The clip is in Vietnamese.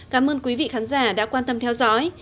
cảm ơn quý vị khán giả đã quan tâm theo dõi